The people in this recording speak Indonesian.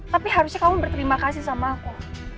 tapi harusnya kamu berterima kasih sama aku